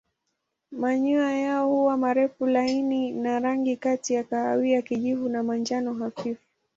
Manyoya yao huwa marefu laini na rangi kati ya kahawia kijivu na manjano hafifu.